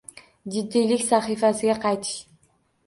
Jiddiylik sahifasiga qaytish